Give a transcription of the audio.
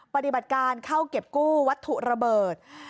ปฏิบัติการเข้าเก็บกู้วัตถุระเบิด